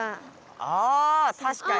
あたしかに！